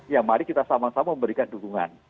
ya mari kita sama sama memberikan dukungan